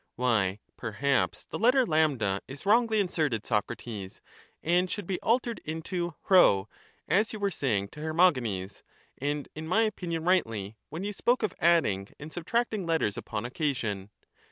Why, perhaps the letter a is wrongly inserted, Socrates, and should be altered into p, as you were saying to Hermogenes, and in my opinion rightly, when you spoke of adding and subtracting letters upon occasion.